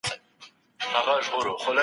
شعر آهنګینې ژبه ده.